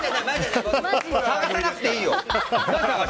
探さなくていいよ！